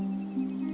aku sudah selesai